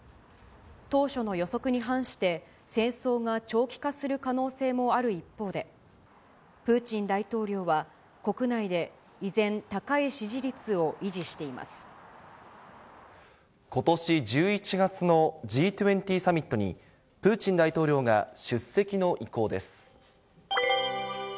当初の予測に反して、戦争が長期化する可能性もある一方で、プーチン大統領は国内で依然、ことし１１月のＧ２０サミットに、プーチン大統領が出席の意向です。